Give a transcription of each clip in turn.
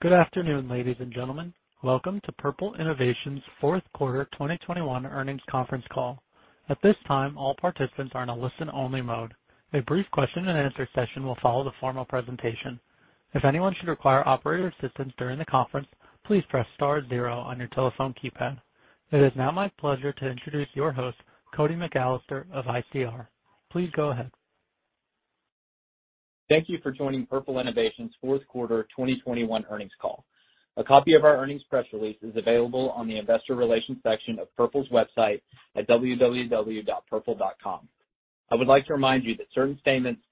Good afternoon, ladies and gentlemen. Welcome to Purple Innovation's Fourth Quarter 2021 Earnings Conference Call. At this time, all participants are in a listen-only mode. A brief question-and-answer session will follow the formal presentation. If anyone should require operator assistance during the conference, please press star zero on your telephone keypad. It is now my pleasure to introduce your host, Cody McAlester of ICR. Please go ahead. Thank you for joining Purple Innovation's Fourth Quarter 2021 Earnings Call. A copy of our earnings press release is available on the investor relations section of Purple's website at www.purple.com. I would like to remind you that certain statements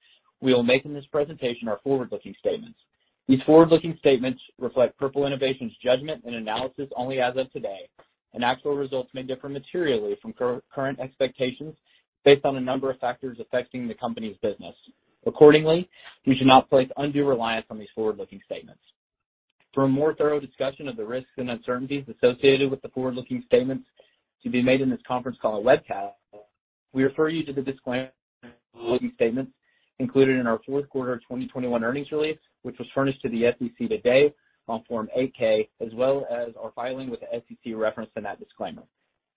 we will make in this presentation are forward-looking statements. These forward-looking statements reflect Purple Innovation's judgment and analysis only as of today, and actual results may differ materially from current expectations based on a number of factors affecting the company's business. Accordingly, you should not place undue reliance on these forward-looking statements. For a more thorough discussion of the risks and uncertainties associated with the forward-looking statements to be made in this conference call or webcast, we refer you to the disclaimer statements included in our fourth quarter 2021 earnings release, which was furnished to the SEC today on Form 8-K, as well as our filing with the SEC referenced in that disclaimer.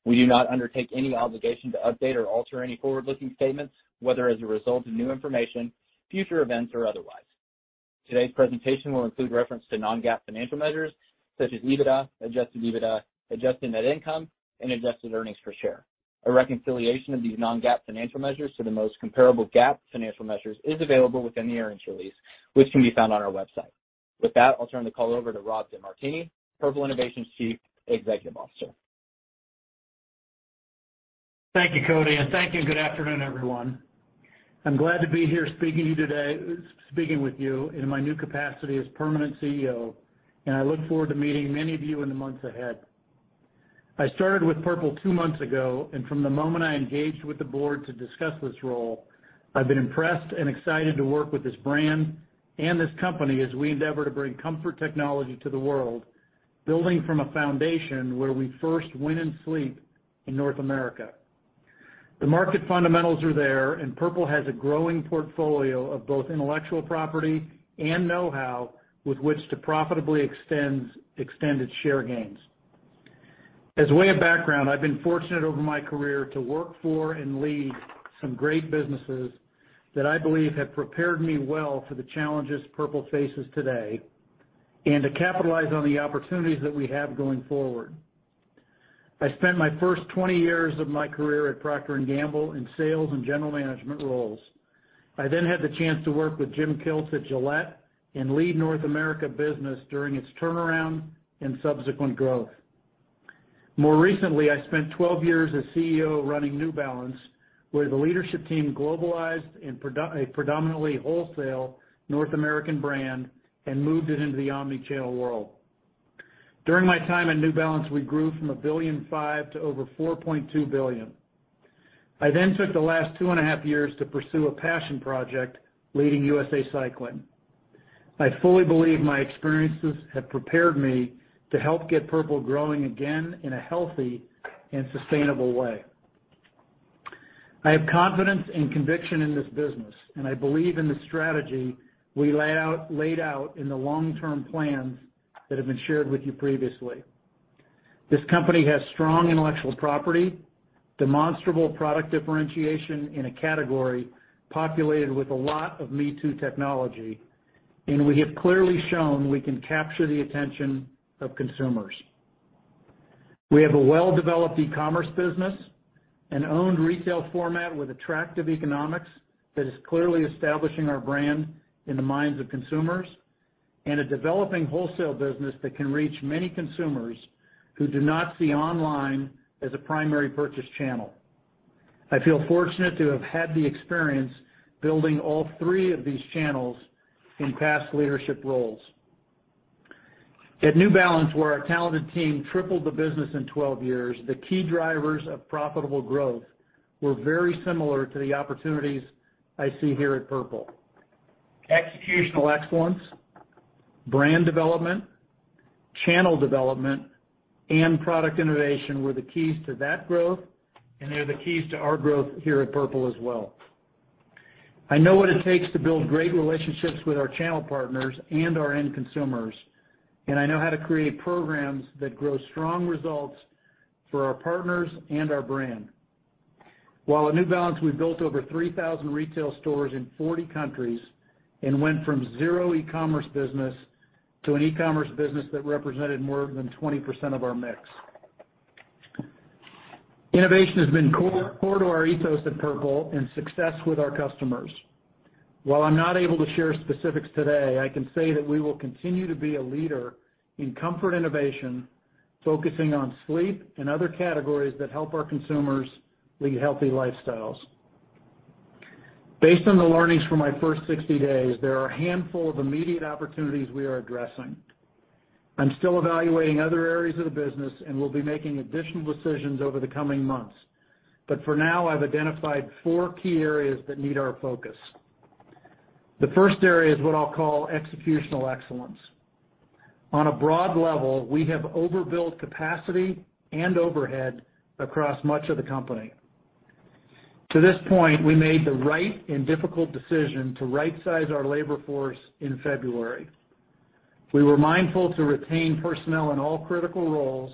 We do not undertake any obligation to update or alter any forward-looking statements, whether as a result of new information, future events, or otherwise. Today's presentation will include reference to non-GAAP financial measures such as EBITDA, adjusted EBITDA, adjusted net income, and adjusted earnings per share. A reconciliation of these non-GAAP financial measures to the most comparable GAAP financial measures is available within the earnings release, which can be found on our website. With that, I'll turn the call over to Rob DeMartini, Purple Innovation's Chief Executive Officer. Thank you, Cody, and thank you. Good afternoon, everyone. I'm glad to be here speaking with you today in my new capacity as permanent CEO, and I look forward to meeting many of you in the months ahead. I started with Purple two months ago, and from the moment I engaged with the Board to discuss this role, I've been impressed and excited to work with this brand and this company as we endeavor to bring comfort technology to the world, building from a foundation where we first win in sleep in North America. The market fundamentals are there, and Purple has a growing portfolio of both intellectual property and know-how with which to profitably extend its share gains. As way of background, I've been fortunate over my career to work for and lead some great businesses that I believe have prepared me well for the challenges Purple faces today and to capitalize on the opportunities that we have going forward. I spent my first 20 years of my career at Procter & Gamble in sales and general management roles. I then had the chance to work with Jim Kilts at Gillette and lead North American business during its turnaround and subsequent growth. More recently, I spent 12 years as CEO running New Balance, where the leadership team globalized and a predominantly wholesale North American brand and moved it into the omnichannel world. During my time at New Balance, we grew from $1.5 billion to over $4.2 billion. I took the last two and a half years to pursue a passion project leading USA Cycling. I fully believe my experiences have prepared me to help get Purple growing again in a healthy and sustainable way. I have confidence and conviction in this business, and I believe in the strategy we laid out in the long-term plans that have been shared with you previously. This company has strong intellectual property, demonstrable product differentiation in a category populated with a lot of me-too technology, and we have clearly shown we can capture the attention of consumers. We have a well-developed e-commerce business and owned retail format with attractive economics that is clearly establishing our brand in the minds of consumers and a developing wholesale business that can reach many consumers who do not see online as a primary purchase channel. I feel fortunate to have had the experience building all three of these channels in past leadership roles. At New Balance, where our talented team tripled the business in 12 years, the key drivers of profitable growth were very similar to the opportunities I see here at Purple. Executional excellence, brand development, channel development, and product innovation were the keys to that growth, and they are the keys to our growth here at Purple as well. I know what it takes to build great relationships with our channel partners and our end consumers, and I know how to create programs that grow strong results for our partners and our brand. While at New Balance, we built over 3,000 retail stores in 40 countries and went from zero e-commerce business to an e-commerce business that represented more than 20% of our mix. Innovation has been core to our ethos at Purple and success with our customers. While I'm not able to share specifics today, I can say that we will continue to be a leader in comfort innovation, focusing on sleep and other categories that help our consumers lead healthy lifestyles. Based on the learnings from my first 60 days, there are a handful of immediate opportunities we are addressing. I'm still evaluating other areas of the business and will be making additional decisions over the coming months. For now, I've identified four key areas that need our focus. The first area is what I'll call executional excellence. On a broad level, we have overbuilt capacity and overhead across much of the company. To this point, we made the right and difficult decision to rightsize our labor force in February. We were mindful to retain personnel in all critical roles,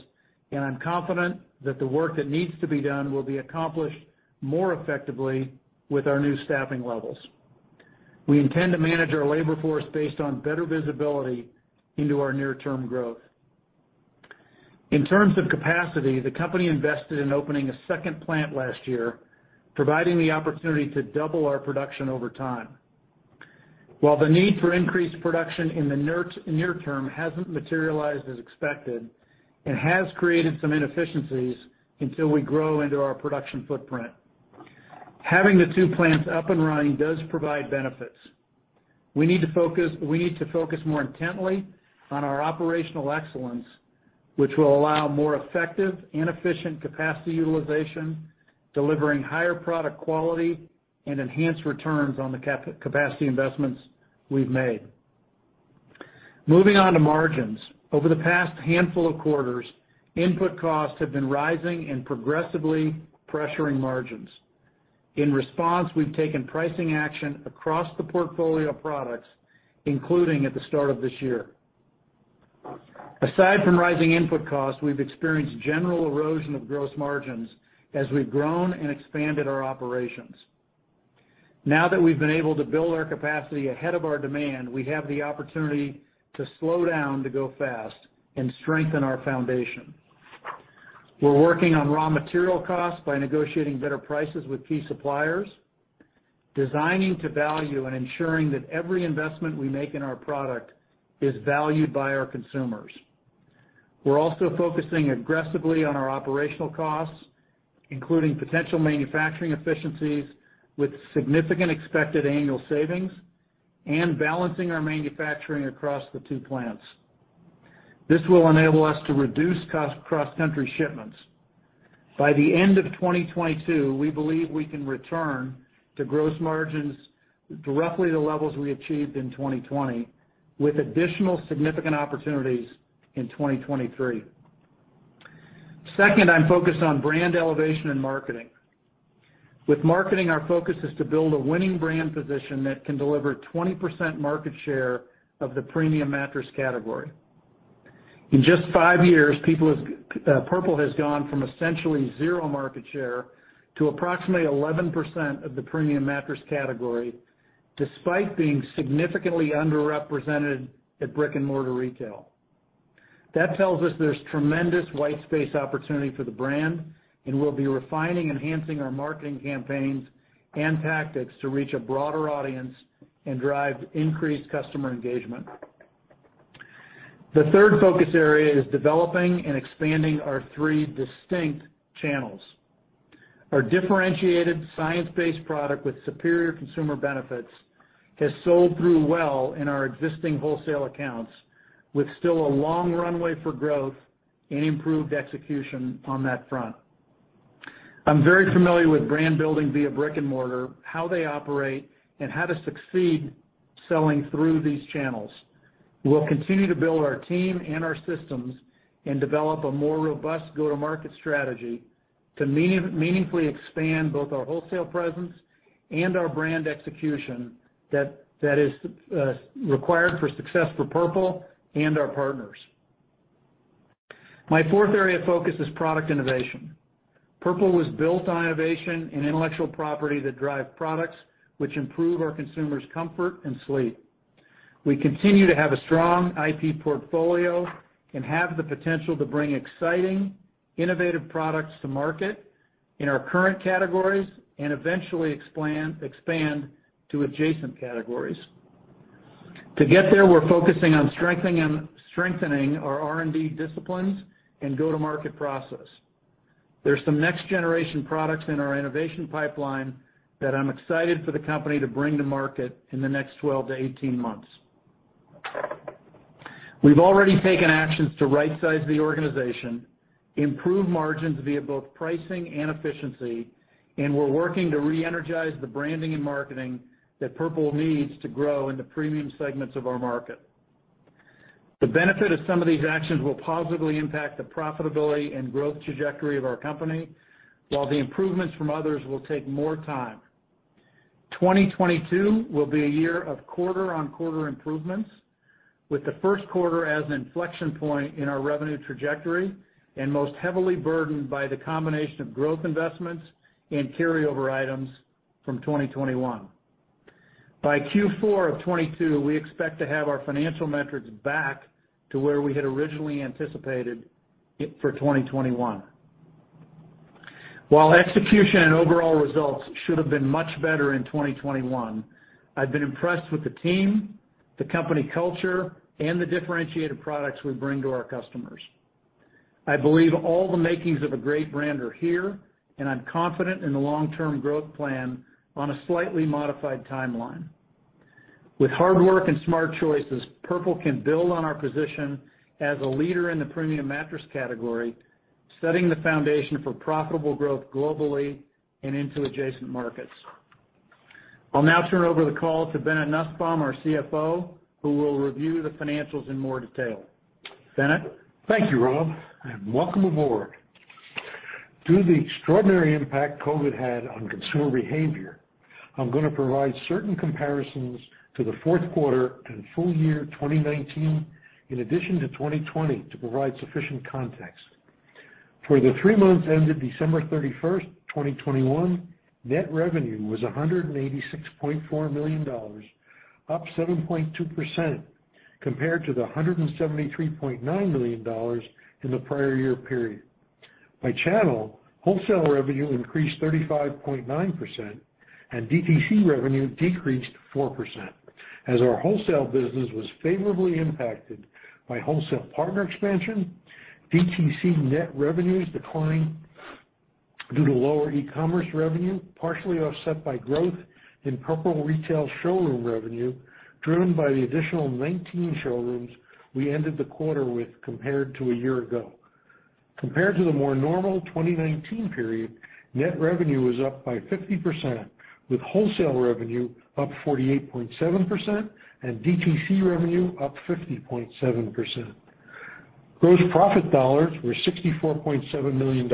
and I'm confident that the work that needs to be done will be accomplished more effectively with our new staffing levels. We intend to manage our labor force based on better visibility into our near-term growth. In terms of capacity, the company invested in opening a second plant last year, providing the opportunity to double our production over time. While the need for increased production in the near term hasn't materialized as expected and has created some inefficiencies until we grow into our production footprint. Having the two plants up and running does provide benefits. We need to focus more intently on our operational excellence, which will allow more effective and efficient capacity utilization, delivering higher product quality and enhanced returns on the capacity investments we've made. Moving on to margins. Over the past handful of quarters, input costs have been rising and progressively pressuring margins. In response, we've taken pricing action across the portfolio of products, including at the start of this year. Aside from rising input costs, we've experienced general erosion of gross margins as we've grown and expanded our operations. Now that we've been able to build our capacity ahead of our demand, we have the opportunity to slow down to go fast and strengthen our foundation. We're working on raw material costs by negotiating better prices with key suppliers, designing to value and ensuring that every investment we make in our product is valued by our consumers. We're also focusing aggressively on our operational costs, including potential manufacturing efficiencies with significant expected annual savings and balancing our manufacturing across the two plants. This will enable us to reduce costly cross-country shipments. By the end of 2022, we believe we can return to gross margins to roughly the levels we achieved in 2020, with additional significant opportunities in 2023. Second, I'm focused on brand elevation and marketing. With marketing, our focus is to build a winning brand position that can deliver 20% market share of the premium mattress category. In just five years, Purple has gone from essentially zero market share to approximately 11% of the premium mattress category, despite being significantly underrepresented at brick-and-mortar retail. That tells us there's tremendous white space opportunity for the brand, and we'll be refining and enhancing our marketing campaigns and tactics to reach a broader audience and drive increased customer engagement. The third focus area is developing and expanding our three distinct channels. Our differentiated, science-based product with superior consumer benefits has sold through well in our existing wholesale accounts, with still a long runway for growth and improved execution on that front. I'm very familiar with brand building via brick-and-mortar, how they operate, and how to succeed selling through these channels. We'll continue to build our team and our systems and develop a more robust go-to-market strategy to meaningfully expand both our wholesale presence and our brand execution that is required for success for Purple and our partners. My fourth area of focus is product innovation. Purple was built on innovation and intellectual property that drive products which improve our consumers' comfort and sleep. We continue to have a strong IP portfolio and have the potential to bring exciting, innovative products to market in our current categories and eventually expand to adjacent categories. To get there, we're focusing on strengthening our R&D disciplines and go-to-market process. There's some next-generation products in our innovation pipeline that I'm excited for the company to bring to market in the next 12 to 18 months. We've already taken actions to rightsize the organization, improve margins via both pricing and efficiency, and we're working to re-energize the branding and marketing that Purple needs to grow in the premium segments of our market. The benefit of some of these actions will positively impact the profitability and growth trajectory of our company, while the improvements from others will take more time. 2022 will be a year of quarter-on-quarter improvements, with the first quarter as an inflection point in our revenue trajectory and most heavily burdened by the combination of growth investments and carryover items from 2021. By Q4 of 2022, we expect to have our financial metrics back to where we had originally anticipated it for 2021. While execution and overall results should have been much better in 2021, I've been impressed with the team, the company culture, and the differentiated products we bring to our customers. I believe all the makings of a great brand are here, and I'm confident in the long-term growth plan on a slightly modified timeline. With hard work and smart choices, Purple can build on our position as a leader in the premium mattress category, setting the foundation for profitable growth globally and into adjacent markets. I'll now turn over the call to Bennett Nussbaum, our CFO, who will review the financials in more detail. Bennett? Thank you, Rob, and welcome aboard. Due to the extraordinary impact COVID had on consumer behavior, I'm gonna provide certain comparisons to the fourth quarter and full year 2019 in addition to 2020 to provide sufficient context. For the three months ended December 31, 2021, net revenue was $186.4 million, up 7.2% compared to the $173.9 million in the prior year period. By channel, wholesale revenue increased 35.9% and DTC revenue decreased 4%. As our wholesale business was favorably impacted by wholesale partner expansion, DTC net revenues declined due to lower e-commerce revenue, partially offset by growth in Purple retail showroom revenue, driven by the additional 19 showrooms we ended the quarter with compared to a year-ago. Compared to the more normal 2019 period, net revenue is up by 50%, with wholesale revenue up 48.7% and DTC revenue up 50.7%. Gross profit dollars were $64.7 million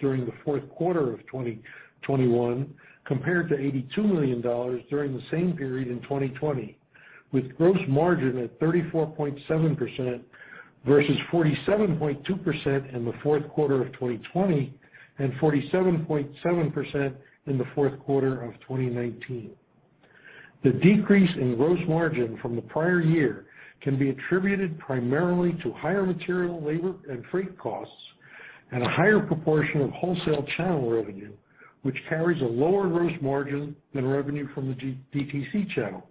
during the fourth quarter of 2021 compared to $82 million during the same period in 2020, with gross margin at 34.7% versus 47.2% in the fourth quarter of 2020 and 47.7% in the fourth quarter of 2019. The decrease in gross margin from the prior year can be attributed primarily to higher material, labor, and freight costs and a higher proportion of wholesale channel revenue, which carries a lower gross margin than revenue from the DTC channel.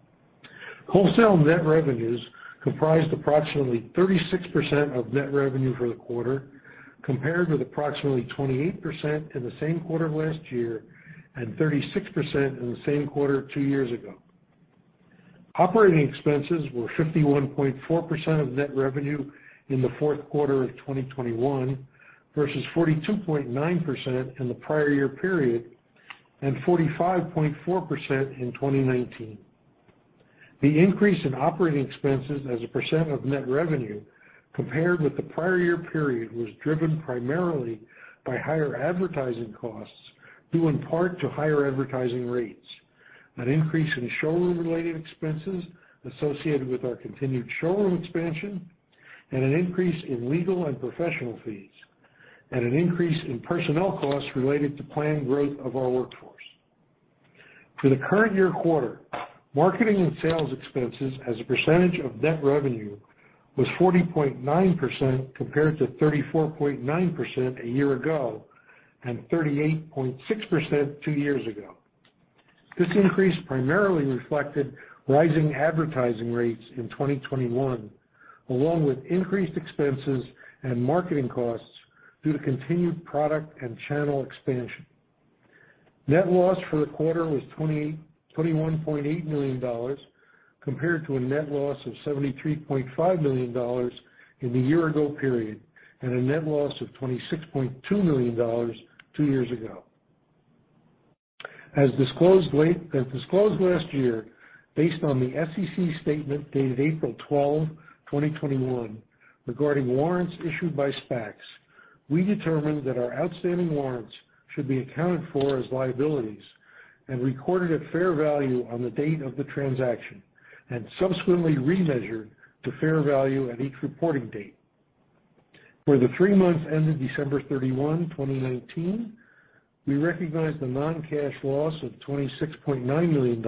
Wholesale net revenues comprised approximately 36% of net revenue for the quarter, compared with approximately 28% in the same quarter of last year and 36% in the same quarter two years ago. Operating expenses were 51.4% of net revenue, in the fourth quarter of 2021 versus 42.9% in the prior year period, and 45.4% in 2019. The increase in operating expenses as a percent of net revenue compared with the prior year period was driven primarily by higher advertising costs, due in part to higher advertising rates, an increase in showroom-related expenses associated with our continued showroom expansion, and an increase in legal and professional fees, and an increase in personnel costs related to planned growth of our workforce. For the current year quarter, marketing and sales expenses as a percentage of net revenue was 40.9% compared to 34.9% a year-ago and 38.6% two years ago. This increase primarily reflected rising advertising rates in 2021, along with increased expenses and marketing costs due to continued product and channel expansion. Net loss for the quarter was $21.8 million Compared to a net loss of $73.5 million in the year-ago period and a net loss of $26.2 million two years ago. As disclosed last year, based on the SEC statement dated April 12, 2021, regarding warrants issued by SPACs, we determined that our outstanding warrants should be accounted for as liabilities and recorded at fair value on the date of the transaction and subsequently remeasured to fair value at each reporting date. For the three months ended December 31, 2019, we recognized a non-cash loss of $26.9 million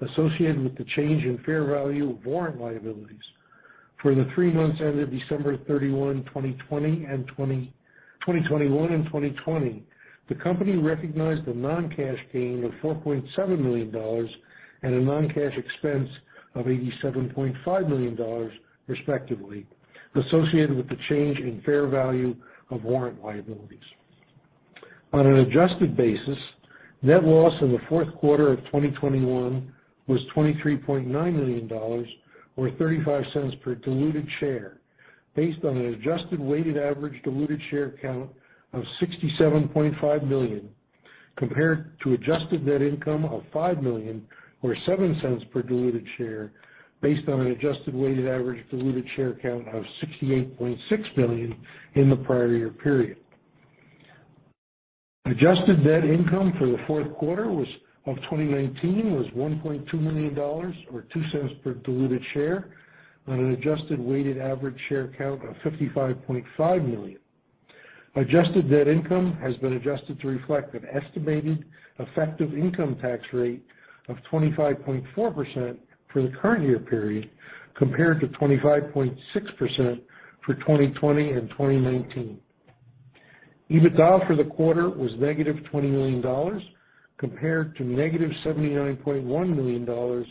associated with the change in fair value of warrant liabilities. For the three months ended December 31, 2020 and 2021, the company recognized a non-cash gain of $4.7 million and a non-cash expense of $87.5 million respectively associated with the change in fair value of warrant liabilities. On an adjusted basis, net loss in the fourth quarter of 2021 was $23.9 million, or $0.35 per diluted share based on an adjusted weighted average diluted share count of 67.5 million, compared to adjusted net income of $5 million or $0.07 per diluted share based on an adjusted weighted average diluted share count of 68.6 million in the prior year period. Adjusted net income for the fourth quarter of 2019 was $1.2 million, or $0.02 per diluted share on an adjusted weighted average share count of 55.5 million. Adjusted net income has been adjusted to reflect an estimated effective income tax rate of 25.4% for the current year period compared to 25.6% for 2020 and 2019. EBITDA for the quarter was -$20 million, compared to -$79.1 million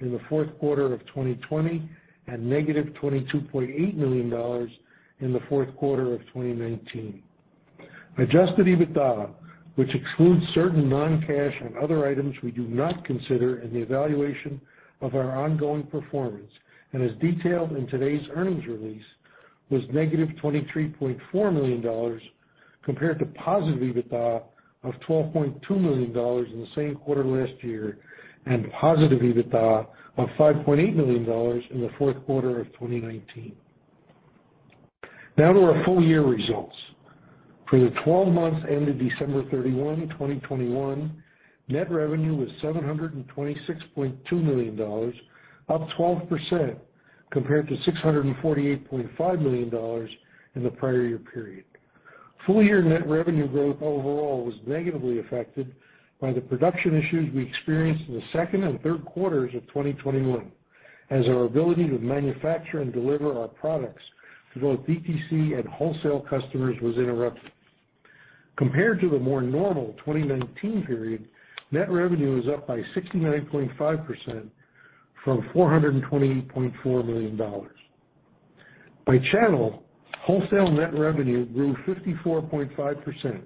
in the fourth quarter of 2020 and -$22.8 million in the fourth quarter of 2019. Adjusted EBITDA, which excludes certain non-cash and other items we do not consider in the evaluation of our ongoing performance and as detailed in today's earnings release, was -$23.4 million compared to positive EBITDA of $12.2 million in the same quarter last year, and positive EBITDA of $5.8 million in the fourth quarter of 2019. Now to our full-year results. For the twelve months ended December 31, 2021, net revenue was $726.2 million, up 12% compared to $648.5 million in the prior year period. Full-year net revenue growth overall was negatively affected by the production issues we experienced in the second and third quarters of 2021 as our ability to manufacture and deliver our products to both DTC and wholesale customers was interrupted. Compared to the more normal 2019 period, net revenue is up by 69.5% from $428.4 million. By channel, wholesale net revenue grew 54.5%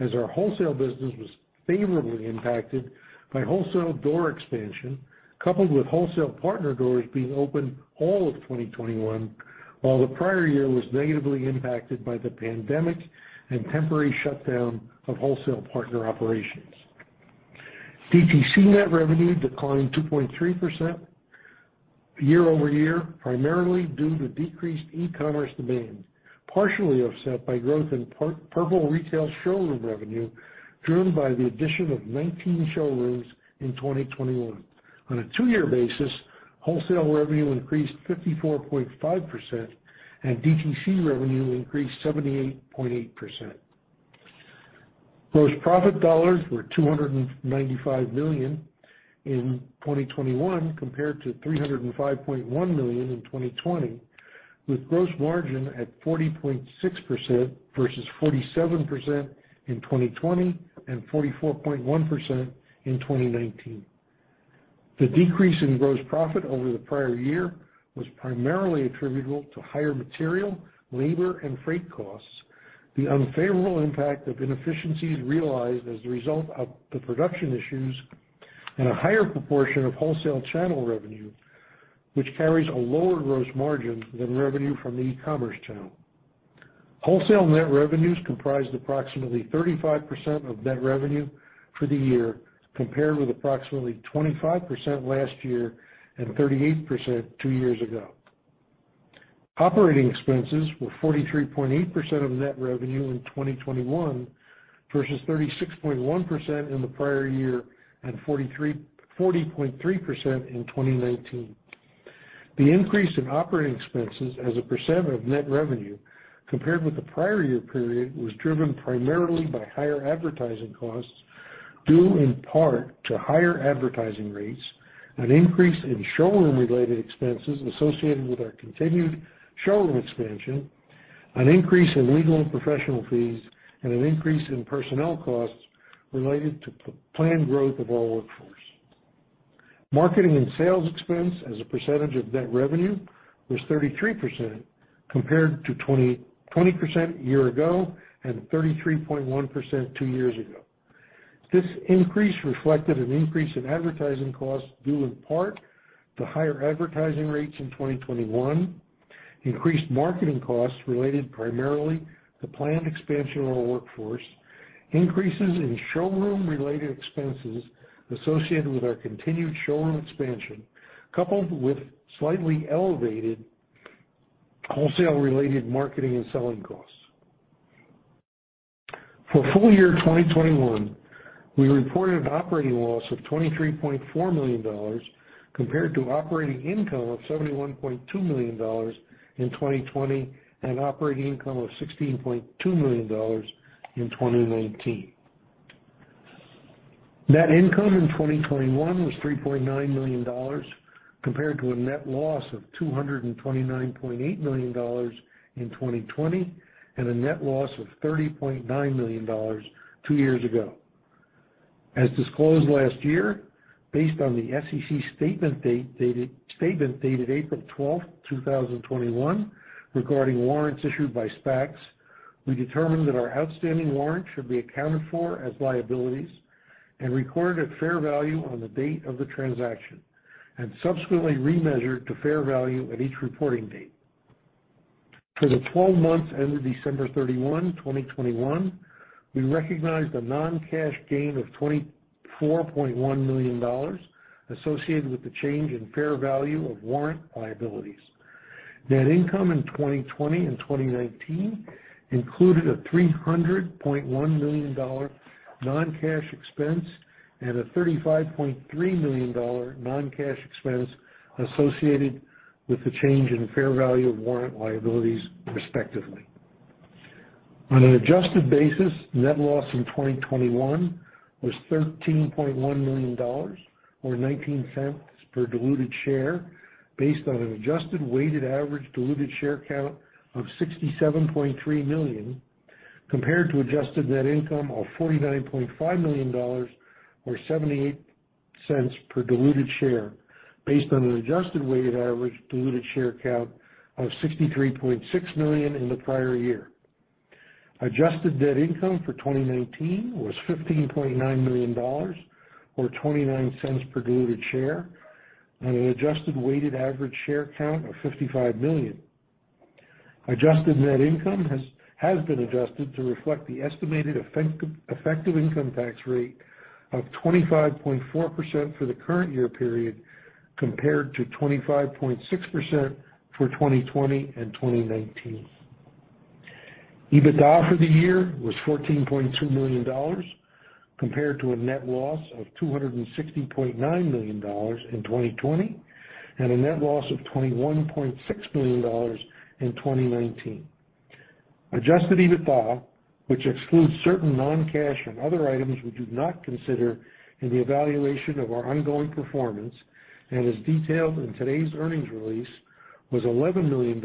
as our wholesale business was favorably impacted by wholesale door expansion, coupled with wholesale partner doors being open all of 2021, while the prior year was negatively impacted by the pandemic and temporary shutdown of wholesale partner operations. DTC net revenue declined 2.3% year-over-year, primarily due to decreased e-commerce demand, partially offset by growth in Purple retail showroom revenue driven by the addition of 19 showrooms in 2021. On a two-year basis, wholesale revenue increased 54.5% and DTC revenue increased 78.8%. Gross profit dollars were $295 million in 2021 compared to $305.1 million in 2020, with gross margin at 40.6% versus 47% in 2020 and 44.1% in 2019. The decrease in gross profit over the prior year was primarily attributable to higher material, labor, and freight costs, the unfavorable impact of inefficiencies realized as a result of the production issues, and a higher proportion of wholesale channel revenue, which carries a lower gross margin than revenue from the e-commerce channel. Wholesale net revenues comprised approximately 35% of net revenue for the year, compared with approximately 25% last year and 38% two years ago. Operating expenses were 43.8% of net revenue in 2021 versus 36.1% in the prior year and 40.3% in 2019. The increase in operating expenses as a percent of net revenue compared with the prior year period was driven primarily by higher advertising costs, due in part to higher advertising rates, an increase in showroom-related expenses associated with our continued showroom expansion, an increase in legal and professional fees, and an increase in personnel costs related to planned growth of our workforce. Marketing and sales expense as a percentage of net revenue was 33%, compared to 20.20% year ago and 33.1% two years ago. This increase reflected an increase in advertising costs due in part to higher advertising rates in 2021, increased marketing costs related primarily to planned expansion of our workforce, increases in showroom-related expenses associated with our continued showroom expansion, coupled with slightly elevated wholesale-related marketing and selling costs. For full-year 2021, we reported operating loss of $23.4 million compared to operating income of $71.2 million in 2020 and operating income of $16.2 million in 2019. Net income in 2021 was $3.9 million compared to a net loss of $229.8 million in 2020 and a net loss of $30.9 million two years ago. As disclosed last year, based on the SEC statement dated April 12, 2021, regarding warrants issued by SPACs, we determined that our outstanding warrants should be accounted for as liabilities and recorded at fair value on the date of the transaction and subsequently remeasured to fair value at each reporting date. For the 12 months ended December 31, 2021, we recognized a non-cash gain of $24.1 million associated with the change in fair value of warrant liabilities. Net income in 2020 and 2019 included a $300.1 million non-cash expense and a $35.3 million non-cash expense associated with the change in fair value of warrant liabilities, respectively. On an adjusted basis, net loss in 2021 was $13.1 million or $0.19 per diluted share based on an adjusted weighted average diluted share count of 67.3 million, compared to adjusted net income of $49.5 million or $0.78 per diluted share based on an adjusted weighted average diluted share count of 63.6 million in the prior year. Adjusted net income for 2019 was $15.9 million or $0.29 per diluted share on an adjusted weighted average share count of 55 million. Adjusted net income has been adjusted to reflect the estimated effective income tax rate of 25.4% for the current year period, compared to 25.6% for 2020 and 2019. EBITDA for the year was $14.2 million compared to a net loss of $260.9 million in 2020 and a net loss of $21.6 million in 2019. Adjusted EBITDA, which excludes certain non-cash and other items we do not consider in the evaluation of our ongoing performance and as detailed in today's earnings release, was $11 million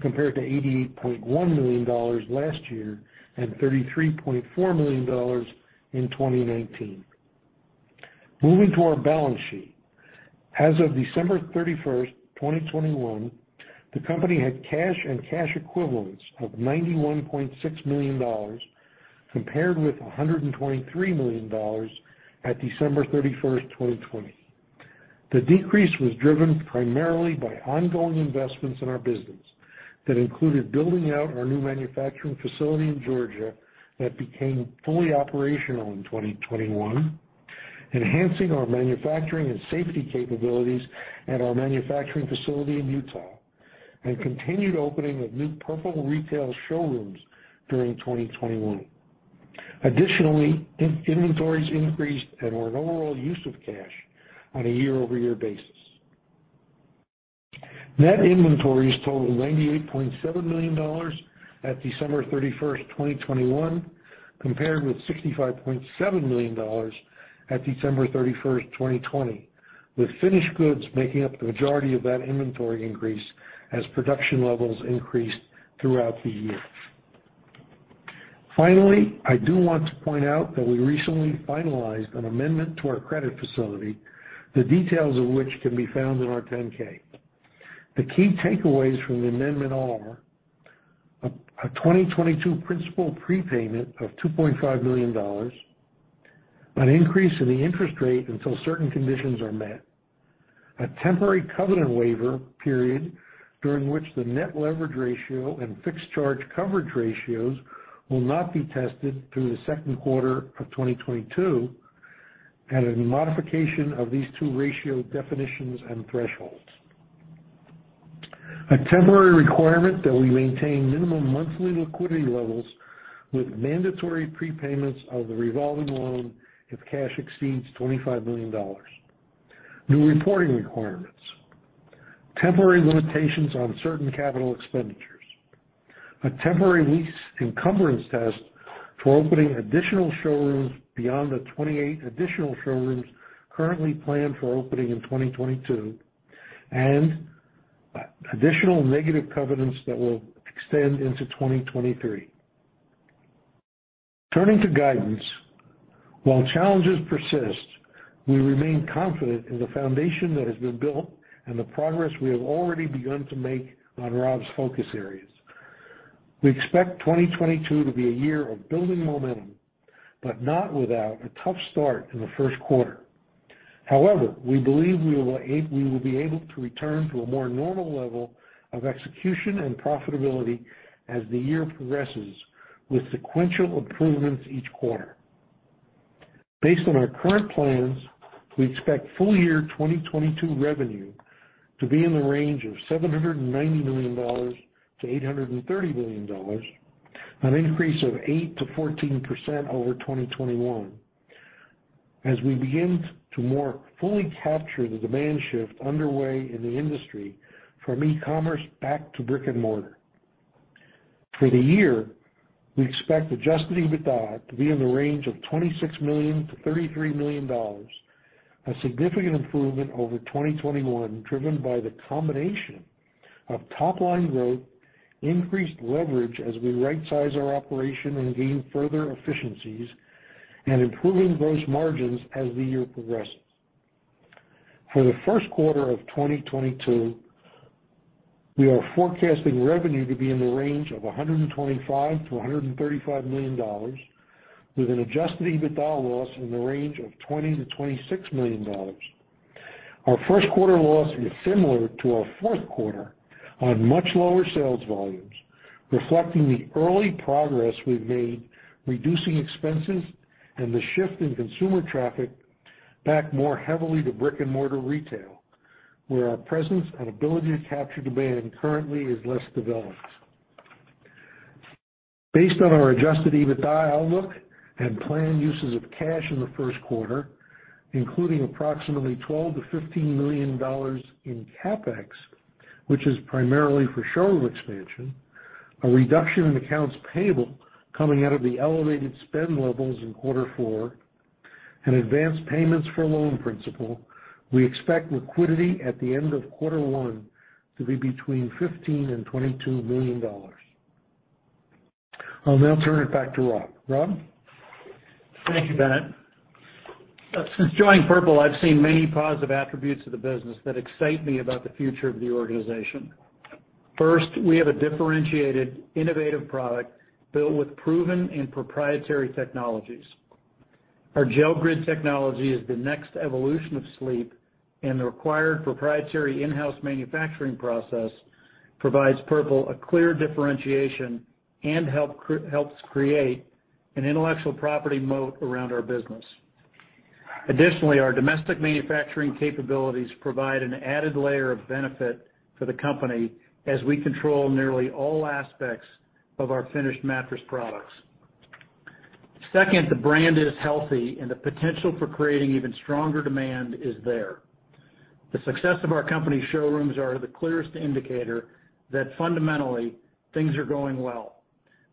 compared to $88.1 million last year and $33.4 million in 2019. Moving to our balance sheet. As of December 31, 2021, the company had cash and cash equivalents of $91.6 million compared with $123 million at December 31, 2020. The decrease was driven primarily by ongoing investments in our business that included building out our new manufacturing facility in Georgia that became fully operational in 2021, enhancing our manufacturing and safety capabilities at our manufacturing facility in Utah, and continued opening of new Purple retail showrooms during 2021. Additionally, inventories increased and our overall use of cash on a year-over-year basis. Net inventories totaled $98.7 million at December 31, 2021 compared with $65.7 million at December 31, 2020, with finished goods making up the majority of that inventory increase as production levels increased throughout the year. Finally, I do want to point out that we recently finalized an amendment to our credit facility, the details of which can be found in our 10-K. The key takeaways from the amendment are a 2022 principal prepayment of $2.5 million, an increase in the interest rate until certain conditions are met, a temporary covenant waiver period during which the net leverage ratio and fixed charge coverage ratios will not be tested through the second quarter of 2022, and a modification of these two ratio definitions and thresholds. A temporary requirement that we maintain minimum monthly liquidity levels with mandatory prepayments of the revolving loan if cash exceeds $25 million. New reporting requirements. Temporary limitations on certain capital expenditures. A temporary lease encumbrance test for opening additional showrooms beyond the 28 additional showrooms currently planned for opening in 2022. Additional negative covenants that will extend into 2023. Turning to guidance. While challenges persist, we remain confident in the foundation that has been built and the progress we have already begun to make on Rob's focus areas. We expect 2022 to be a year of building momentum, but not without a tough start in the first quarter. However, we believe we will be able to return to a more normal level of execution and profitability as the year progresses, with sequential improvements each quarter. Based on our current plans, we expect full-year 2022 revenue to be in the range of $790 million-$830 million, an increase of 8%-14% over 2021 as we begin to more fully capture the demand shift underway in the industry from e-commerce back to brick-and-mortar. For the year, we expect adjusted EBITDA to be in the range of $26 million-$33 million, a significant improvement over 2021 driven by the combination of top-line growth, increased leverage as we right size our operation and gain further efficiencies, and improving gross margins as the year progresses. For the first quarter of 2022, we are forecasting revenue to be in the range of $125 million-$135 million with an adjusted EBITDA loss in the range of $20 million-$26 million. Our first quarter loss is similar to our fourth quarter on much lower sales volumes, reflecting the early progress we've made reducing expenses and the shift in consumer traffic back more heavily to brick-and-mortar retail, where our presence and ability to capture demand currently is less developed. Based on our adjusted EBITDA outlook and planned uses of cash in the first quarter, including approximately $12 million-$15 million in CapEx, which is primarily for showroom expansion, a reduction in accounts payable coming out of the elevated spend levels in quarter four, and advanced payments for loan principal, we expect liquidity at the end of quarter one to be between $15 million and $22 million. I'll now turn it back to Rob. Rob? Thank you, Bennett. Since joining Purple, I've seen many positive attributes of the business that excite me about the future of the organization. First, we have a differentiated, innovative product built with proven and proprietary technologies. Our GelFlex Grid technology is the next evolution of sleep, and the required proprietary in-house manufacturing process provides Purple a clear differentiation and helps create an intellectual property moat around our business. Additionally, our domestic manufacturing capabilities provide an added layer of benefit for the company as we control nearly all aspects of our finished mattress products. Second, the brand is healthy and the potential for creating even stronger demand is there. The success of our company showrooms are the clearest indicator that fundamentally things are going well.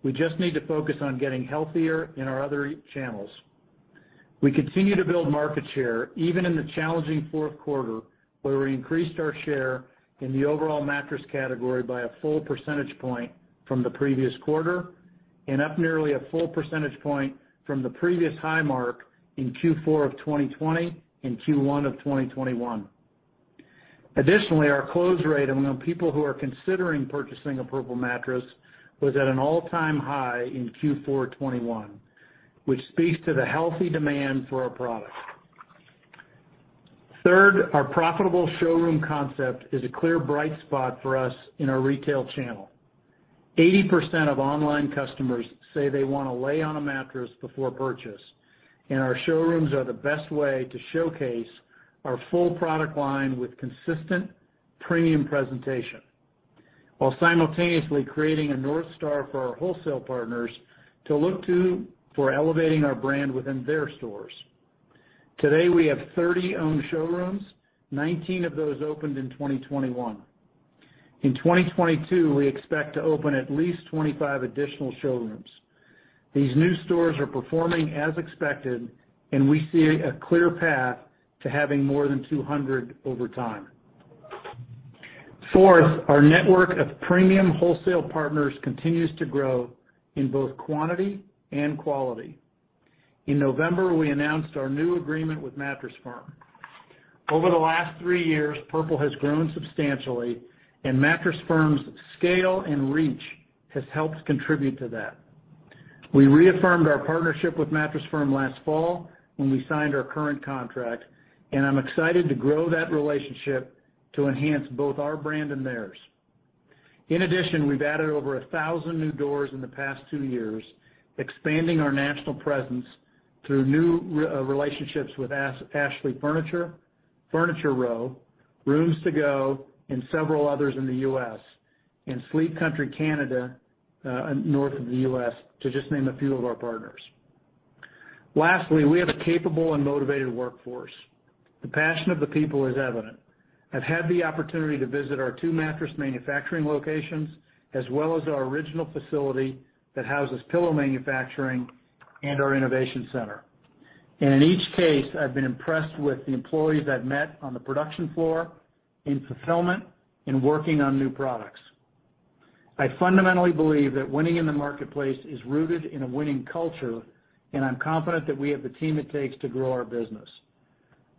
We just need to focus on getting healthier in our other e-channels. We continue to build market share even in the challenging fourth quarter, where we increased our share in the overall mattress category by a full percentage point from the previous quarter and up nearly a full percentage point from the previous high mark in Q4 of 2020 and Q1 of 2021. Additionally, our close rate among people who are considering purchasing a Purple mattress was at an all-time high in Q4 2021, which speaks to the healthy demand for our product. Third, our profitable showroom concept is a clear bright spot for us in our retail channel. 80% of online customers say they wanna lay on a mattress before purchase, and our showrooms are the best way to showcase our full product line with consistent premium presentation, while simultaneously creating a North Star for our wholesale partners to look to for elevating our brand within their stores. Today, we have 30 owned showrooms, 19 of those opened in 2021. In 2022, we expect to open at least 25 additional showrooms. These new stores are performing as expected, and we see a clear path to having more than 200 over time. Fourth, our network of premium wholesale partners continues to grow in both quantity and quality. In November, we announced our new agreement with Mattress Firm. Over the last three years, Purple has grown substantially, and Mattress Firm's scale and reach has helped contribute to that. We reaffirmed our partnership with Mattress Firm last fall when we signed our current contract, and I'm excited to grow that relationship to enhance both our brand and theirs. In addition, we've added over 1,000 new doors in the past two years, expanding our national presence through new relationships with Ashley Furniture, Furniture Row, Rooms To Go, and several others in the U.S., and Sleep Country Canada, north of the U.S., to just name a few of our partners. Lastly, we have a capable and motivated workforce. The passion of the people is evident. I've had the opportunity to visit our two mattress manufacturing locations as well as our original facility that houses pillow manufacturing and our innovation center. In each case, I've been impressed with the employees I've met on the production floor, in fulfillment, in working on new products. I fundamentally believe that winning in the marketplace is rooted in a winning culture, and I'm confident that we have the team it takes to grow our business.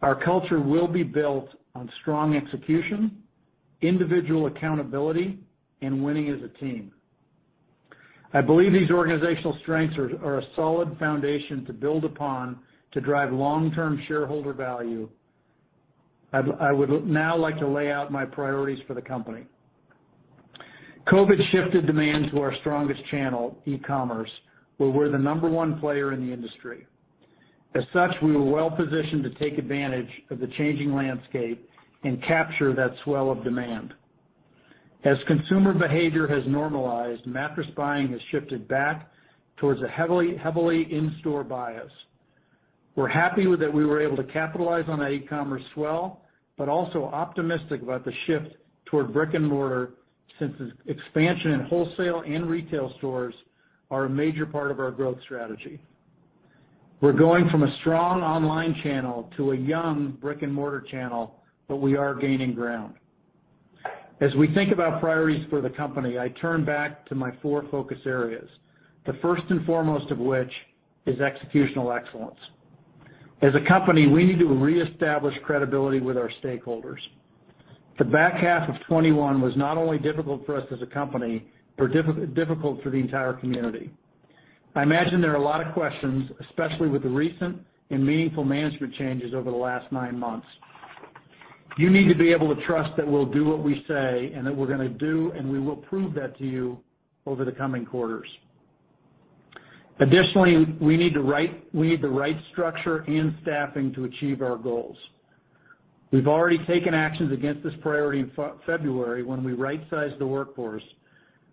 Our culture will be built on strong execution, individual accountability, and winning as a team. I believe these organizational strengths are a solid foundation to build upon to drive long-term shareholder value. I would now like to lay out my priorities for the company. COVID shifted demand to our strongest channel, e-commerce, where we're the number one player in the industry. As such, we were well-positioned to take advantage of the changing landscape, and capture that swell of demand. As consumer behavior has normalized, mattress buying has shifted back towards a heavily in-store bias. We're happy with that we were able to capitalize on that e-commerce swell, but also optimistic about the shift toward brick-and-mortar since its expansion in wholesale and retail stores are a major part of our growth strategy. We're going from a strong online channel to a young brick-and-mortar channel, but we are gaining ground. As we think about priorities for the company, I turn back to my four focus areas, the first and foremost of which is executional excellence. As a company, we need to reestablish credibility with our stakeholders. The back half of 2021 was not only difficult for us as a company, but difficult for the entire community. I imagine there are a lot of questions, especially with the recent and meaningful management changes over the last nine months. You need to be able to trust that we'll do what we say and that we're gonna do, and we will prove that to you over the coming quarters. Additionally, we need the right structure and staffing to achieve our goals. We've already taken actions against this priority in February when we right-sized the workforce,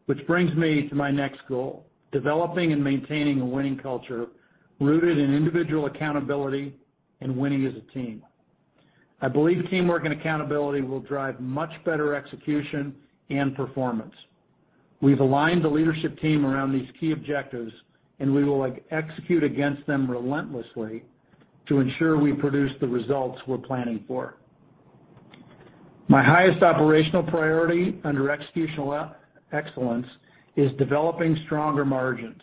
which brings me to my next goal, developing and maintaining a winning culture rooted in individual accountability and winning as a team. I believe teamwork and accountability will drive much better execution and performance. We've aligned the leadership team around these key objectives, and we will execute against them relentlessly to ensure we produce the results we're planning for. My highest operational priority under executional excellence is developing stronger margins.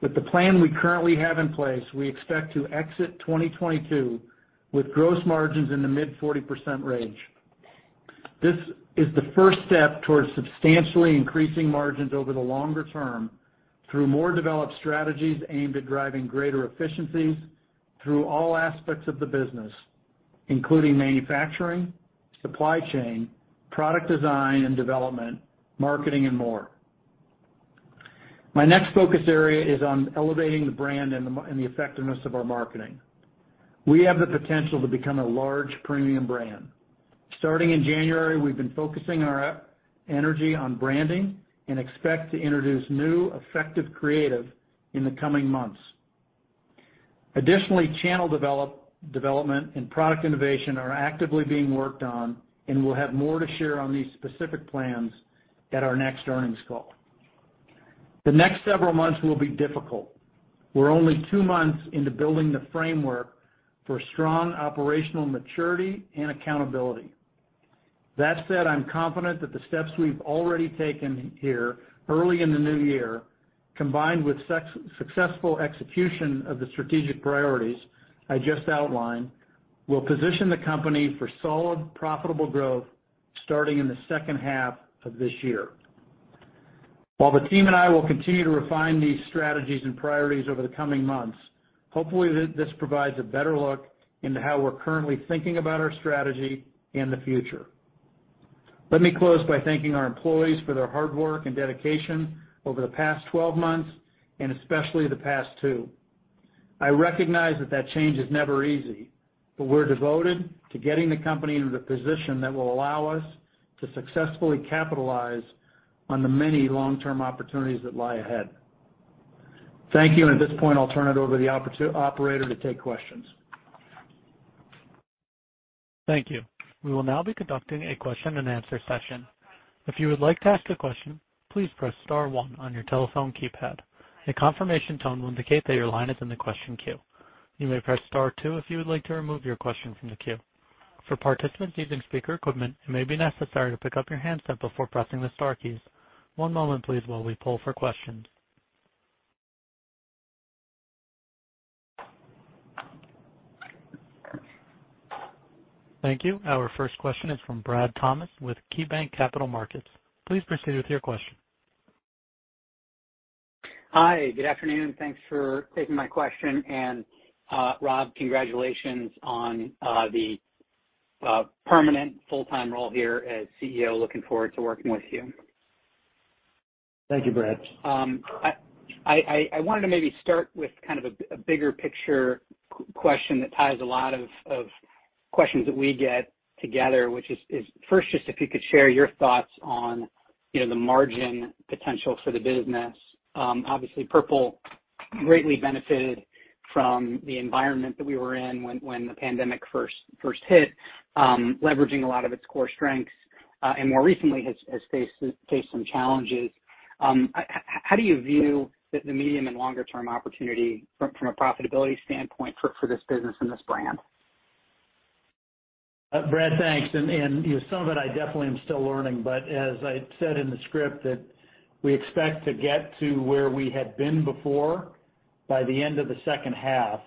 With the plan we currently have in place, we expect to exit 2022 with gross margins in the mid-40% range. This is the first step towards substantially increasing margins over the longer term through more developed strategies aimed at driving greater efficiencies through all aspects of the business, including manufacturing, supply chain, product design and development, marketing, and more. My next focus area is on elevating the brand and the effectiveness of our marketing. We have the potential to become a large premium brand. Starting in January, we've been focusing our energy on branding and expect to introduce new, effective creative in the coming months. Additionally, channel development and product innovation are actively being worked on, and we'll have more to share on these specific plans at our next earnings call. The next several months will be difficult. We're only two months into building the framework for strong operational maturity and accountability. That said, I'm confident that the steps we've already taken here early in the new year, combined with successful execution of the strategic priorities I just outlined, will position the company for solid, profitable growth starting in the second half of this year. While the team and I will continue to refine these strategies and priorities over the coming months, hopefully this provides a better look into how we're currently thinking about our strategy and the future. Let me close by thanking our employees for their hard work and dedication over the past 12 months and especially the past two. I recognize that change is never easy, but we're devoted to getting the company into the position that will allow us to successfully capitalize on the many long-term opportunities that lie ahead. Thank you. At this point, I'll turn it over to the operator to take questions. Thank you. We will now be conducting a question-and-answer session. If you would like to ask a question, please press star one on your telephone keypad. A confirmation tone will indicate that your line is in the question queue. You may press star two if you would like to remove your question from the queue. For participants using speaker equipment, it may be necessary to pick up your handset before pressing the star keys. One moment please while we poll for questions. Thank you. Our first question is from Brad Thomas with KeyBanc Capital Markets. Please proceed with your question. Hi, good afternoon, and thanks for taking my question. Rob, congratulations on the permanent full-time role here as CEO. Looking forward to working with you. Thank you, Brad. I wanted to maybe start with kind of a bigger picture question that ties a lot of questions that we get together, which is first, just if you could share your thoughts on, you know, the margin potential for the business. Obviously, Purple greatly benefited from the environment that we were in when the pandemic first hit, leveraging a lot of its core strengths, and more recently has faced some challenges. How do you view the medium and longer term opportunity from a profitability standpoint for this business and this brand? Brad, thanks. You know, some of it I definitely am still learning, but as I said in the script that we expect to get to where we had been before by the end of the second half.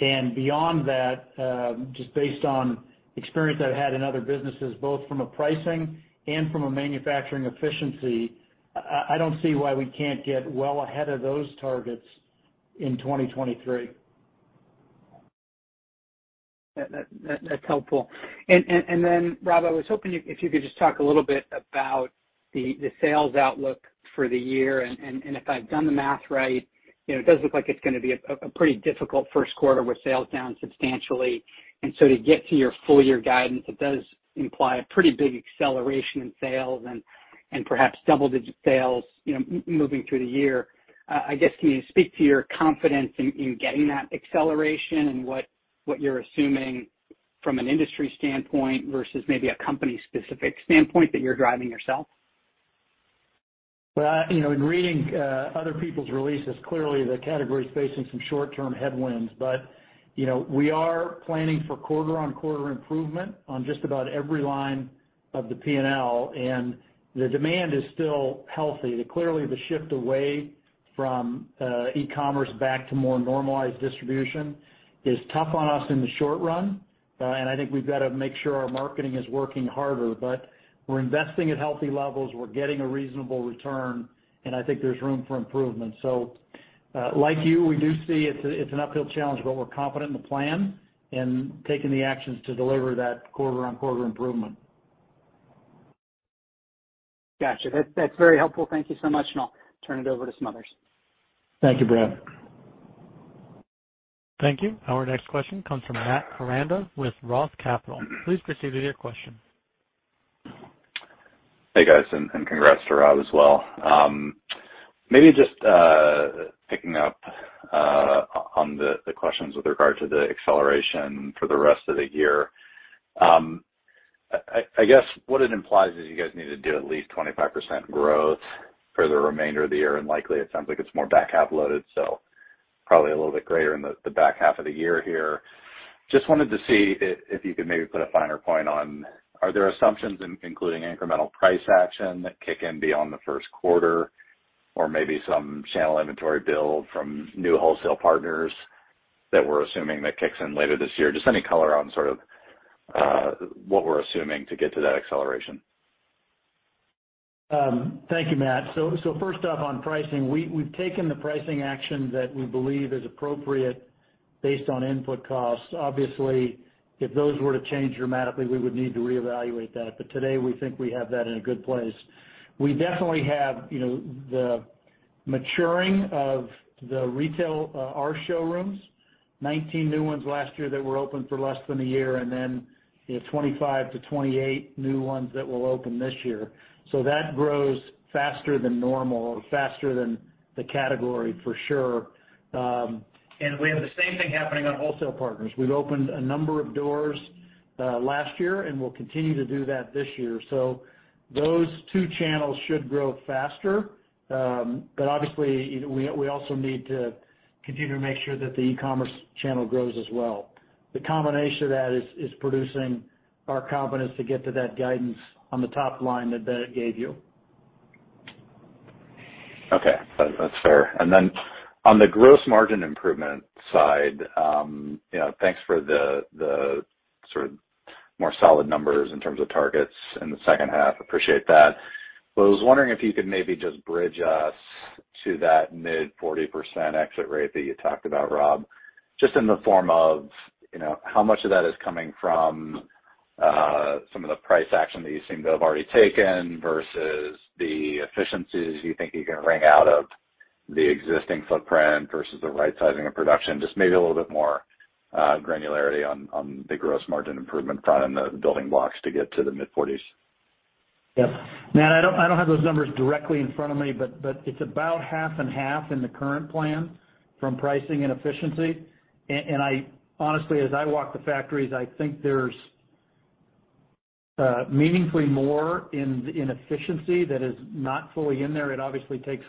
Beyond that, just based on experience I've had in other businesses, both from a pricing and from a manufacturing efficiency, I don't see why we can't get well ahead of those targets in 2023. That's helpful. Then, Rob, I was hoping you, if you could just talk a little bit about the sales outlook for the year. If I've done the math right, you know, it does look like it's gonna be a pretty difficult first quarter with sales down substantially. To get to your full-year guidance, it does imply a pretty big acceleration in sales and perhaps double-digit sales, you know, moving through the year. I guess, can you speak to your confidence in getting that acceleration and what you're assuming from an industry standpoint versus maybe a company specific standpoint that you're driving yourself? Well, you know, in reading other people's releases, clearly the category is facing some short-term headwinds. You know, we are planning for quarter-on-quarter improvement on just about every line of the P&L, and the demand is still healthy. Clearly, the shift away from e-commerce back to more normalized distribution is tough on us in the short run, and I think we've got to make sure our marketing is working harder. We're investing at healthy levels, we're getting a reasonable return, and I think there's room for improvement. Like you, we do see it's an uphill challenge, but we're confident in the plan and taking the actions to deliver that quarter-on-quarter improvement. Gotcha. That's very helpful. Thank you so much. I'll turn it over to Rob DeMartini. Thank you, Brad. Thank you. Our next question comes from Matt Koranda with ROTH Capital. Please proceed with your question. Hey, guys, and congrats to Rob as well. Maybe just picking up on the questions with regard to the acceleration for the rest of the year. I guess what it implies is you guys need to do at least 25% growth for the remainder of the year, and likely it sounds like it's more back half loaded. Probably a little bit greater in the back half of the year here. Just wanted to see if you could maybe put a finer point on, are there assumptions including incremental price action that kick in beyond the first quarter? Or maybe some channel inventory build from new wholesale partners that we're assuming that kicks in later this year? Just any color on sort of what we're assuming to get to that acceleration. Thank you, Matt. First off, on pricing, we've taken the pricing action that we believe is appropriate based on input costs. Obviously, if those were to change dramatically, we would need to reevaluate that. Today, we think we have that in a good place. We definitely have, you know, the maturing of the retail, our showrooms. 19 new ones last year that were open for less than a year and then, you know, 25-28 new ones that will open this year. That grows faster than normal or faster than the category for sure. We have the same thing happening on wholesale partners. We've opened a number of doors last year, and we'll continue to do that this year. Those two channels should grow faster, but obviously, you know, we also need to continue to make sure that the e-commerce channel grows as well. The combination of that is producing our confidence to get to that guidance on the top-line that Bennett gave you. Okay. That's fair. Then on the gross margin improvement side, you know, thanks for the the sort of more solid numbers in terms of targets in the second half. Appreciate that. I was wondering if you could maybe just bridge us to that mid-40% exit rate that you talked about, Rob. Just in the form of, you know, how much of that is coming from some of the price action that you seem to have already taken versus the efficiencies you think you can wring out of the existing footprint versus the right sizing of production, just maybe a little bit more granularity on the gross margin improvement front and the building blocks to get to the mid-40s. Yeah. Matt, I don't have those numbers directly in front of me, but it's about half and half in the current plan from pricing and efficiency. And honestly, as I walk the factories, I think there's meaningfully more in efficiency that is not fully in there. It obviously takes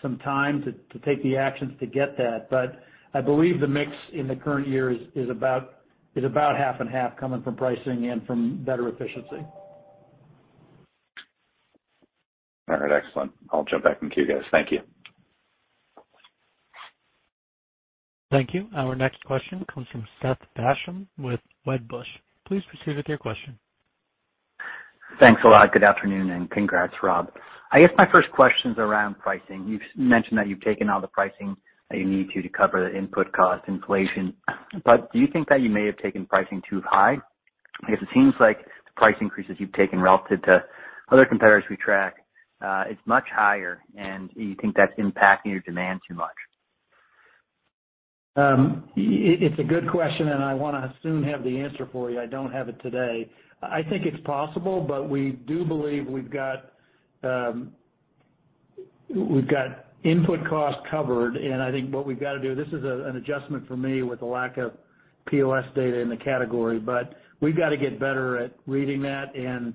some time to take the actions to get that. But I believe the mix in the current year is about half and half coming from pricing and from better efficiency. All right. Excellent. I'll jump back in queue, guys. Thank you. Thank you. Our next question comes from Seth Basham with Wedbush. Please proceed with your question. Thanks a lot. Good afternoon, and congrats, Rob. I guess my first question's around pricing. You've mentioned that you've taken all the pricing that you need to cover the input cost inflation, but do you think that you may have taken pricing too high? Because it seems like the price increases you've taken relative to other competitors we track, is much higher, and do you think that's impacting your demand too much? It's a good question, and I wanna soon have the answer for you. I don't have it today. I think it's possible, but we do believe we've got input costs covered and I think what we've got to do. This is an adjustment for me with the lack of POS data in the category, but we've got to get better at reading that and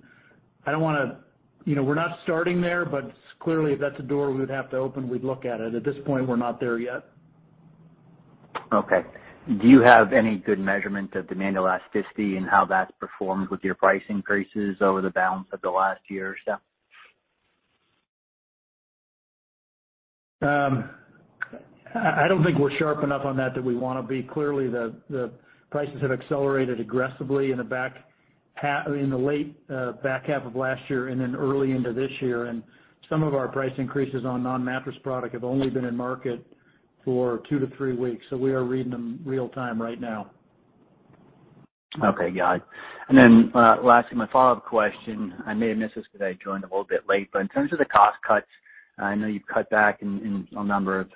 I don't wanna. You know, we're not starting there, but clearly if that's a door we would have to open, we'd look at it. At this point, we're not there yet. Okay. Do you have any good measurement of demand elasticity and how that's performed with your price increases over the balance of the last year or so? I don't think we're sharp enough on that that we wanna be. Clearly, the prices have accelerated aggressively in the back half of last year and then early into this year. Some of our price increases on non-mattress product have only been in market for two to three weeks. We are reading them real-time right now. Okay. Got it. Then, lastly, my follow-up question, I may have missed this because I joined a little bit late. In terms of the cost cuts, I know you've cut back in a number of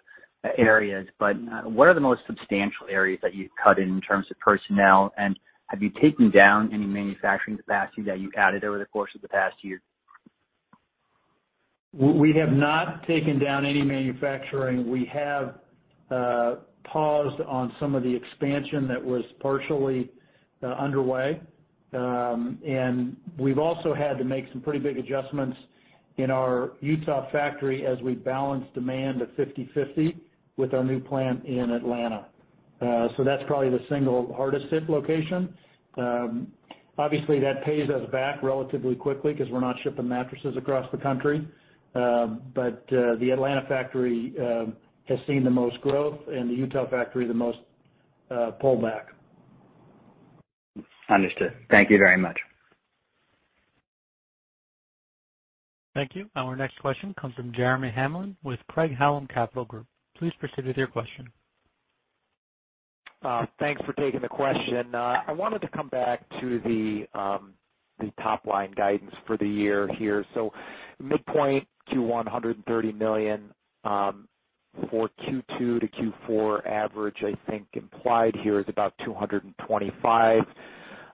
areas, but what are the most substantial areas that you've cut in terms of personnel? Have you taken down any manufacturing capacity that you added over the course of the past year? We have not taken down any manufacturing. We have paused on some of the expansion that was partially underway. We've also had to make some pretty big adjustments in our Utah factory as we balance demand at 50/50 with our new plant in Atlanta. That's probably the single hardest hit location. Obviously, that pays us back relatively quickly because we're not shipping mattresses across the country. The Atlanta factory has seen the most growth and the Utah factory, the most pullback. Understood. Thank you very much. Thank you. Our next question comes from Jeremy Hamblin with Craig-Hallum Capital Group. Please proceed with your question. Thanks for taking the question. I wanted to come back to the top-line guidance for the year here. Midpoint to $130 million for Q2 to Q4 average, I think implied here is about $225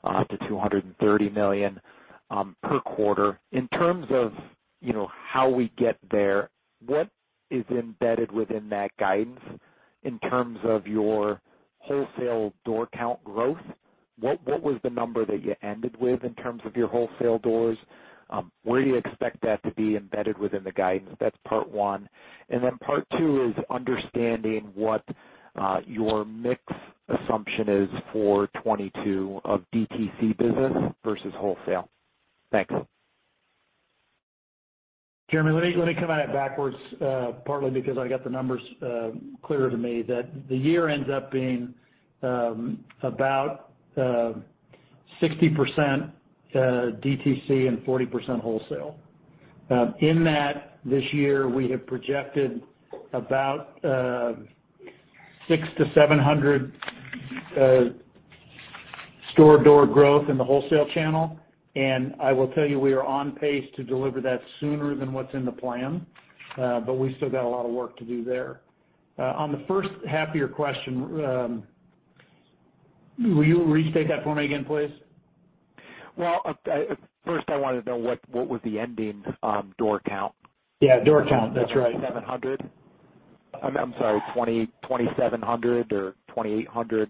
million-$230 million per quarter. In terms of, you know, how we get there, what is embedded within that guidance in terms of your wholesale door count growth, what was the number that you ended with in terms of your wholesale doors? Where do you expect that to be embedded within the guidance? That's part one. Then part two is understanding what your mix assumption is for 2022 of DTC business versus wholesale. Thanks. Jeremy, let me come at it backwards, partly because I got the numbers clearer to me, that the year ends up being about 60% DTC and 40% wholesale. In that this year, we have projected about 600-700 store door growth in the wholesale channel. I will tell you, we are on pace to deliver that sooner than what's in the plan, but we still got a lot of work to do there. On the first half of your question, will you restate that for me again, please? Well, first I wanna know what was the ending door count? Yeah, door count. That's right. 700? I'm sorry, 2,700 or 2,800.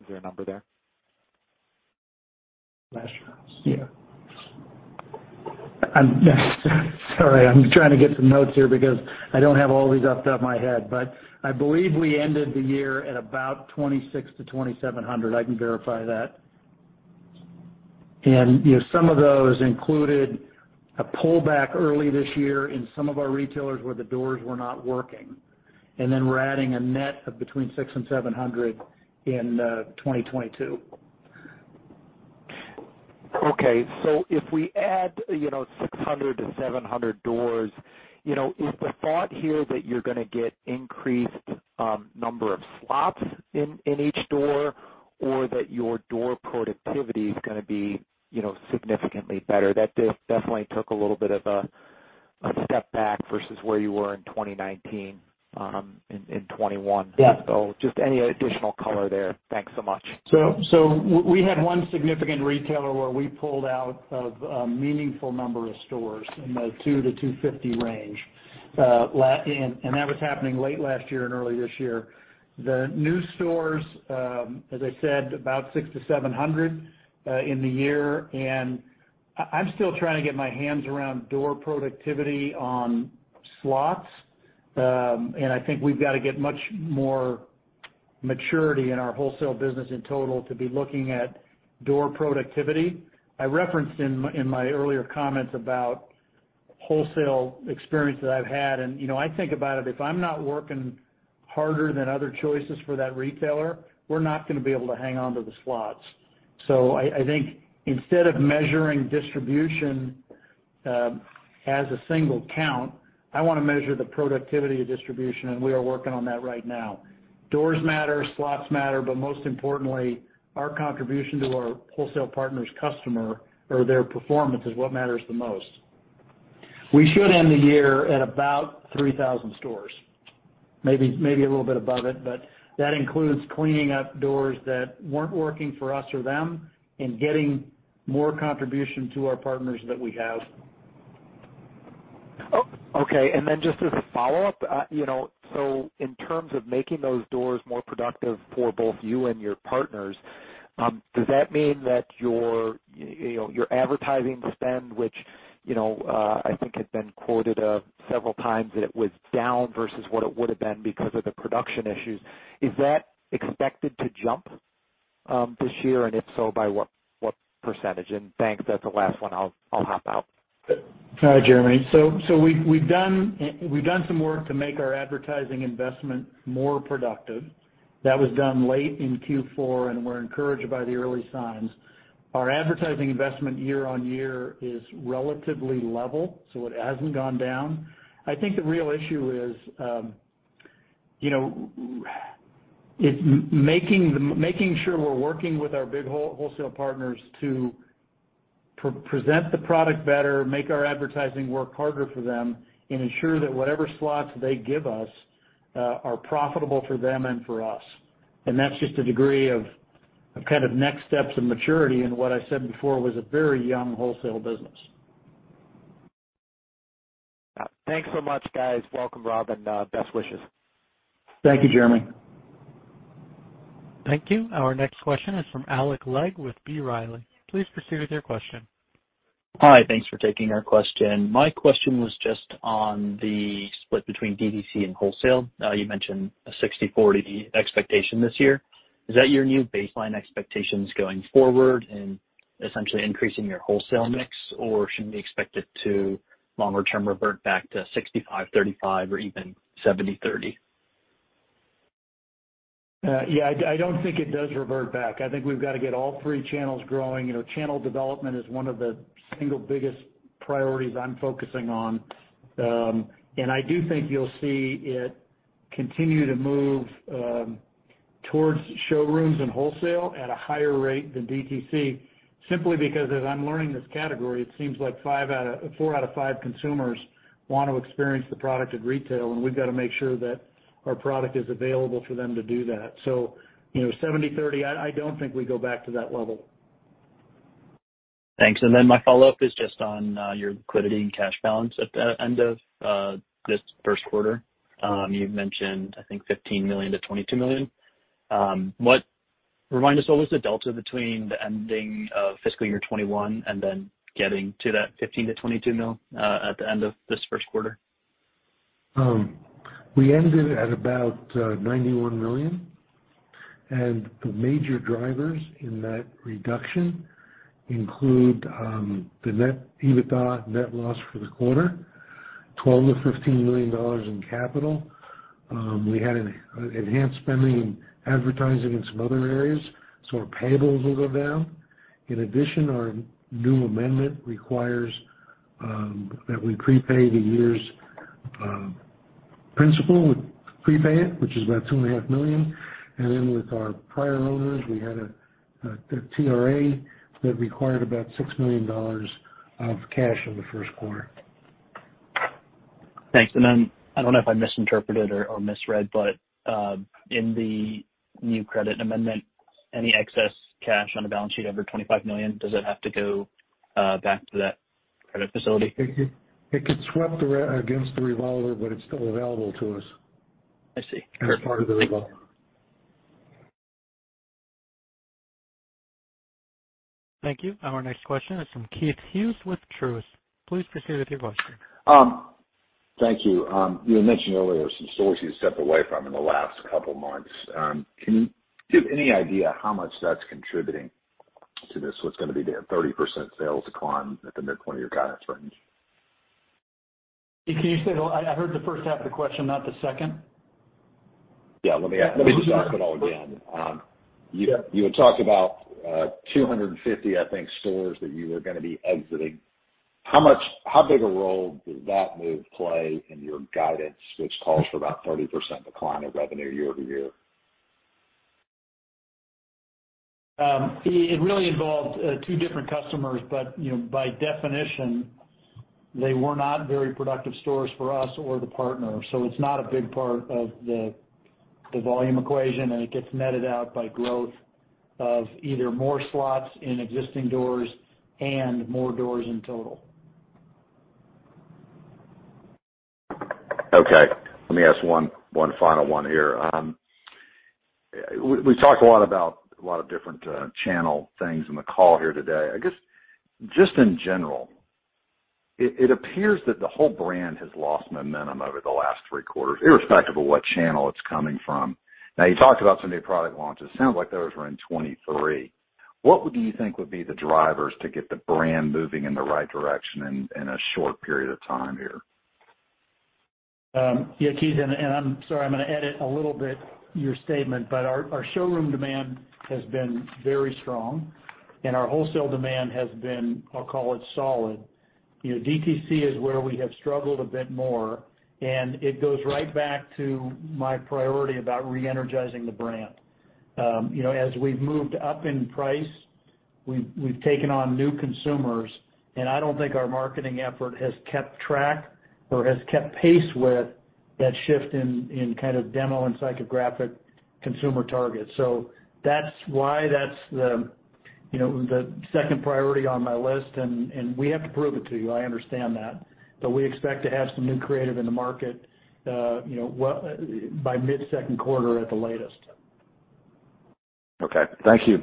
Is there a number there? Last year. Yeah. I'm sorry. I'm trying to get some notes here because I don't have all these off the top of my head, but I believe we ended the year at about 2,600-2,700. I can verify that. You know, some of those included a pullback early this year in some of our retailers where the doors were not working. We're adding a net of between 600 and 700 in 2022. Okay. If we add, you know, 600-700 doors, you know, is the thought here that you're gonna get increased number of slots in each door or that your door productivity is gonna be, you know, significantly better? That definitely took a little bit of a step back versus where you were in 2019, in 2021. Yeah. Just any additional color there. Thanks so much. We had one significant retailer where we pulled out of a meaningful number of stores in the 200-250 range, and that was happening late last year and early this year. The new stores, as I said, about 600-700 in the year. I'm still trying to get my hands around door productivity on slots, and I think we've got to get much more maturity in our wholesale business in total to be looking at door productivity. I referenced in my earlier comments about wholesale experience that I've had, and you know, I think about it, if I'm not working harder than other choices for that retailer, we're not gonna be able to hang on to the slots. I think instead of measuring distribution as a single count, I wanna measure the productivity of distribution, and we are working on that right now. Doors matter, slots matter, but most importantly, our contribution to our wholesale partners customer or their performance is what matters the most. We should end the year at about 3,000 stores, maybe a little bit above it, but that includes cleaning up doors that weren't working for us or them and getting more contribution to our partners that we have. Just as a follow-up, you know, so in terms of making those doors more productive for both you and your partners, does that mean that, you know, your advertising spend, which, you know, I think had been quoted several times that it was down versus what it would have been because of the production issues, is that expected to jump this year? If so, by what percentage? Thanks. That's the last one. I'll hop out. All right, Jeremy. We've done some work to make our advertising investment more productive. That was done late in Q4, and we're encouraged by the early signs. Our advertising investment year-over-year is relatively level, so it hasn't gone down. I think the real issue is making sure we're working with our big wholesale partners to represent the product better, make our advertising work harder for them, and ensure that whatever slots they give us are profitable for them and for us. That's just a degree of kind of next steps in maturity in what I said before was a very young wholesale business. Thanks so much, guys. Welcome, Rob, and best wishes. Thank you, Jeremy. Thank you. Our next question is from Alex Rygiel with B. Riley Securities. Please proceed with your question. Hi. Thanks for taking our question. My question was just on the split between DTC and wholesale. You mentioned a 60/40 expectation this year. Is that your new baseline expectations going forward and essentially increasing your wholesale mix? Or should we expect it to longer term revert back to 65/35 or even 70/30? Yeah, I don't think it does revert back. I think we've got to get all three channels growing. You know, channel development is one of the single biggest priorities I'm focusing on. I do think you'll see it continue to move towards showrooms and wholesale at a higher rate than DTC simply because as I'm learning this category, it seems like four out of five consumers want to experience the product at retail, and we've got to make sure that our product is available for them to do that. You know, 70/30, I don't think we go back to that level. Thanks. My follow-up is just on your liquidity and cash balance at the end of this first quarter. You've mentioned, I think $15 million-$22 million. Remind us, what was the delta between the ending of fiscal year 2021 and then getting to that $15-$22 million at the end of this first quarter? We ended at about 91 million. The major drivers in that reduction include the EBITDA net loss for the quarter, $12 million-$15 million in capital. We had an enhanced spending in advertising and some other areas, so our payables were down. In addition, our new amendment requires that we prepay the year's principal. We prepay it, which is about 2.5 million. Then with our prior owners, we had a TRA that required about $6 million of cash in the first quarter. Thanks. I don't know if I misinterpreted or misread, but in the new credit amendment, any excess cash on the balance sheet over $25 million, does it have to go back to that credit facility? It could be swept against the revolver, but it's still available to us. I see. Perfect. As part of the revolver. Thank you. Our next question is from Keith Hughes with Truist. Please proceed with your question. Thank you. You had mentioned earlier some stores you stepped away from in the last couple months. Can you, do you have any idea how much that's contributing to this, what's gonna be the 30% sales decline at the midpoint of your guidance range? Can you say? I heard the first half of the question, not the second. Yeah. Let me ask. Let me just ask it all again. Yeah. You had talked about 250, I think, stores that you were gonna be exiting. How big a role does that move play in your guidance, which calls for about 30% decline of revenue year-over-year? It really involved two different customers, but you know, by definition, they were not very productive stores for us or the partner. It's not a big part of the volume equation, and it gets netted out by growth of either more slots in existing doors and more doors in total. Okay. Let me ask one final one here. We talked a lot about a lot of different channel things in the call here today. I guess just in general, it appears that the whole brand has lost momentum over the last three quarters, irrespective of what channel it's coming from. Now you talked about some new product launches. It sounds like those were in 2023. What would you think would be the drivers to get the brand moving in the right direction in a short period of time here? Keith, I'm gonna edit a little bit your statement, but our showroom demand has been very strong, and our wholesale demand has been, I'll call it, solid. You know, DTC is where we have struggled a bit more, and it goes right back to my priority about re-energizing the brand. You know, as we've moved up in price, we've taken on new consumers, and I don't think our marketing effort has kept track or has kept pace with that shift in kind of demo and psychographic consumer targets. That's why that's the second priority on my list, and we have to prove it to you. I understand that, but we expect to have some new creative in the market, you know, well, by mid-second quarter at the latest. Okay. Thank you.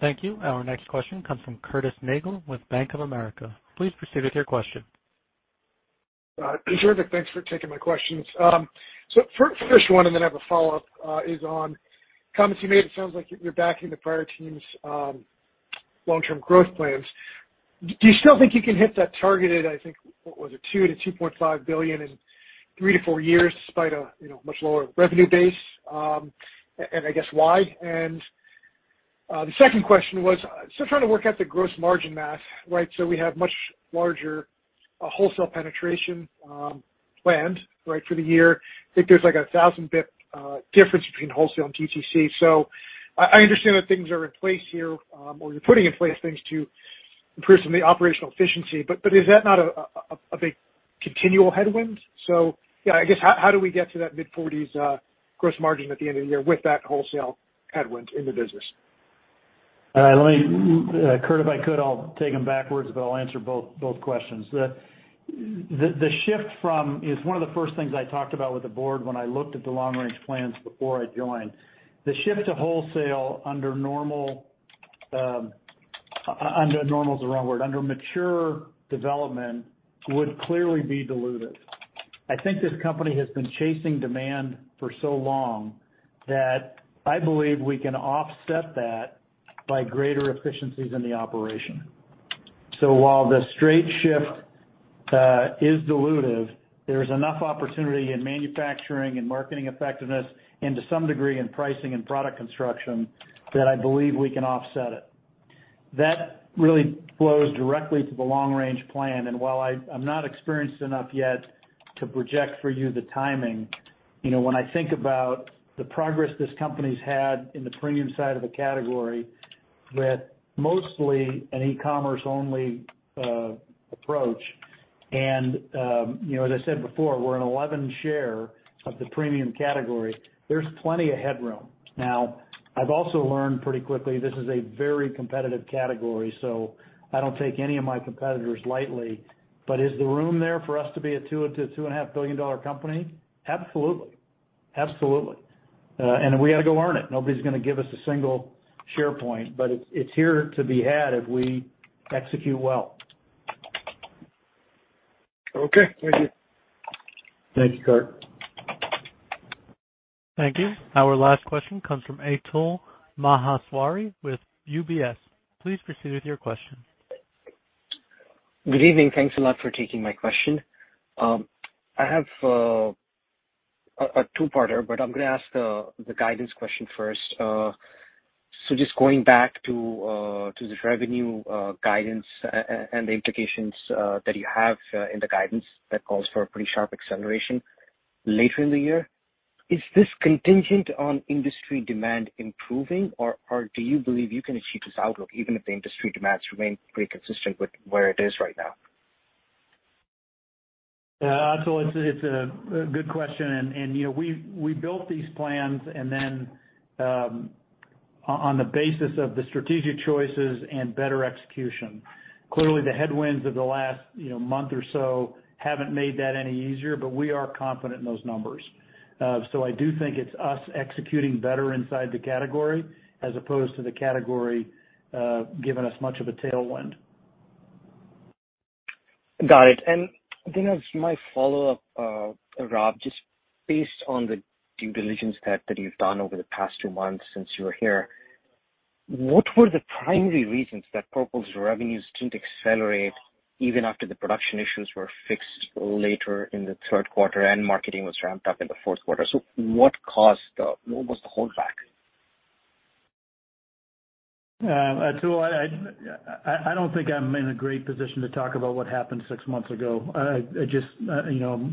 Thank you. Our next question comes from Curtis Nagle with Bank of America. Please proceed with your question. Terrific. Thanks for taking my questions. First one, and then I have a follow-up, is on comments you made. It sounds like you're backing the prior team's long-term growth plans. Do you still think you can hit that targeted, I think, what was it, $2 billion-$2.5 billion in three to four years despite a, you know, much lower revenue base? I guess why? The second question was still trying to work out the gross margin math, right? We have much larger wholesale penetration planned, right, for the year. I think there's like a 1000 basis points difference between wholesale and DTC. I understand that things are in place here or you're putting in place things to improve some of the operational efficiency. Is that not a big continual headwind? Yeah, I guess, how do we get to that mid-40s% gross margin at the end of the year with that wholesale headwind in the business? All right. Let me, Curtis Nagle, if I could, I'll take them backwards, but I'll answer both questions. The shift from DTC is one of the first things I talked about with the Board when I looked at the long-range plans before I joined. The shift to wholesale under normal is the wrong word. Under mature development would clearly be dilutive. I think this company has been chasing demand for so long that I believe we can offset that by greater efficiencies in the operation. While the straight shift is dilutive, there's enough opportunity in manufacturing and marketing effectiveness, and to some degree in pricing and product construction that I believe we can offset it. That really flows directly to the long-range plan. While I'm not experienced enough yet to project for you the timing, you know, when I think about the progress this company's had in the premium side of the category with mostly an e-commerce-only approach. You know, as I said before, we're an 11% share of the premium category. There's plenty of headroom. Now, I've also learned pretty quickly, this is a very competitive category, so I don't take any of my competitors lightly. Is the room there for us to be a $2-$2.5 billion company? Absolutely. We gotta go earn it. Nobody's gonna give us a single share point, but it's here to be had if we execute well. Okay. Thank you. Thank you, Curtis Nagle. Thank you. Our last question comes from Atul Maheshwari with UBS. Please proceed with your question. Good evening. Thanks a lot for taking my question. I have a two-parter, but I'm gonna ask the guidance question first. Just going back to this revenue guidance and the implications that you have in the guidance that calls for a pretty sharp acceleration later in the year. Is this contingent on industry demand improving, or do you believe you can achieve this outlook even if the industry demands remain pretty consistent with where it is right now? Yeah. Atul, it's a good question. You know, we built these plans on the basis of the strategic choices and better execution. Clearly, the headwinds of the last, you know, month or so haven't made that any easier, but we are confident in those numbers. I do think it's us executing better inside the category as opposed to the category giving us much of a tailwind. Got it. As my follow-up, Rob, just based on the due diligence that you've done over the past two months since you were here, what were the primary reasons that Purple's revenues didn't accelerate even after the production issues were fixed later in the third quarter and marketing was ramped up in the fourth quarter? What caused the hold back? Atul, I don't think I'm in a great position to talk about what happened six months ago. I just, you know,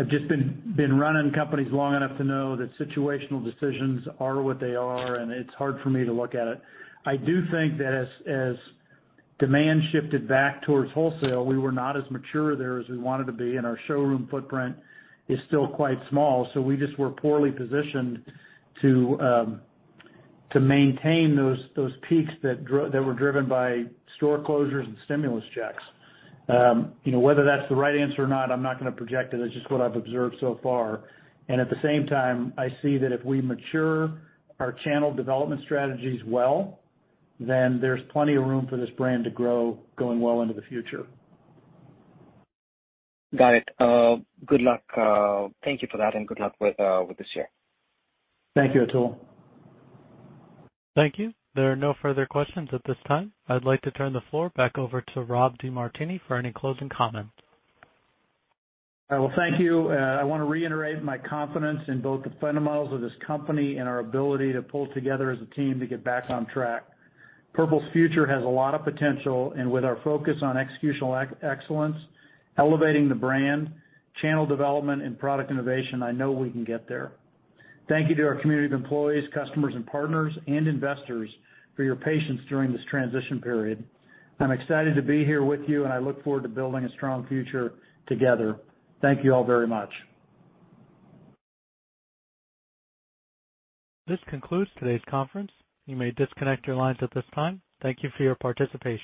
I've just been running companies long enough to know that situational decisions are what they are, and it's hard for me to look at it. I do think that as demand shifted back towards wholesale, we were not as mature there as we wanted to be, and our showroom footprint is still quite small, so we just were poorly positioned to maintain those peaks that were driven by store closures and stimulus checks. You know, whether that's the right answer or not, I'm not gonna project it. It's just what I've observed so far. At the same time, I see that if we mature our channel development strategies well, then there's plenty of room for this brand to grow going well into the future. Got it. Good luck. Thank you for that, and good luck with this year. Thank you, Atul. Thank you. There are no further questions at this time. I'd like to turn the floor back over to Rob DeMartini for any closing comments. Well, thank you. I wanna reiterate my confidence in both the fundamentals of this company and our ability to pull together as a team to get back on track. Purple's future has a lot of potential, and with our focus on executional excellence, elevating the brand, channel development, and product innovation, I know we can get there. Thank you to our community of employees, customers and partners and investors for your patience during this transition period. I'm excited to be here with you, and I look forward to building a strong future together. Thank you all very much. This concludes today's conference. You may disconnect your lines at this time. Thank you for your participation.